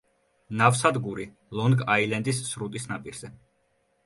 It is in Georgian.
ნავსადგური ლონგ-აილენდის სრუტის ნაპირზე.